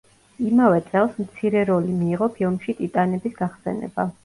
იმავე წელს მცირე როლი მიიღო ფილმში „ტიტანების გახსენება“.